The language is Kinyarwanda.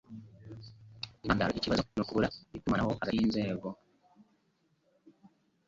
Intandaro yikibazo nukubura itumanaho hagati yinzego